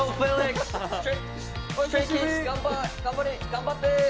頑張って。